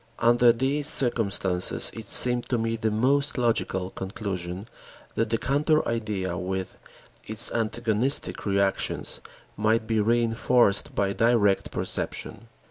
Under these circumstances, it seemed to me the most logical conclusion that the counter idea with its antagonistic reactions might be reënforced by direct perception.